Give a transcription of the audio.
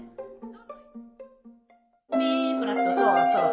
ミフラットそうそう。